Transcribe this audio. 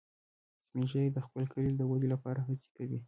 سپین ږیری د خپل کلي د ودې لپاره هڅې کوي